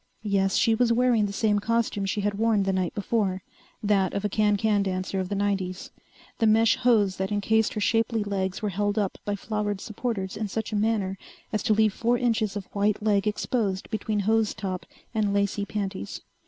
Yes, she was wearing the same costume she had worn the night before, that of a can can dancer of the 90's. The mesh hose that encased her shapely legs were held up by flowered supporters in such a manner as to leave four inches of white leg exposed between hose top and lacy panties.